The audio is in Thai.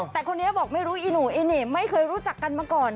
แต่คนนี้บอกไม่รู้อีโน่อีเหน่ไม่เคยรู้จักกันมาก่อน